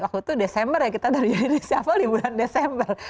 waktu itu desember ya kita dari reshuffle di bulan desember